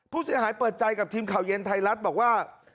ผู้เสียหายเปิดใจกับทีมข่าวเย็นไทยรัฐบอกว่า